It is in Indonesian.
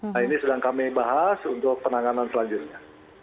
nah ini sedang kami bahas untuk penanganan selanjutnya